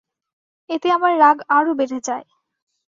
এতে আমার রাগ আরো বেড়ে যায়।